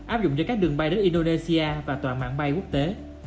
áp dụng cho các đường bay đến indonesia và tòa mạng bay quốc tế